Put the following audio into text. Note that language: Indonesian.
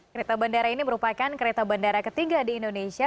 kereta bandara ini merupakan kereta bandara ketiga di indonesia